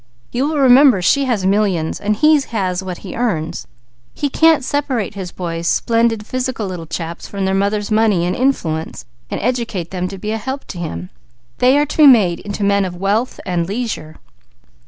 You will remember she has millions; he has what he earns. He can't separate his boys, splendid physical little chaps, from their mother's money and influence, and educate them to be a help to him. They are to be made into men of wealth and leisure.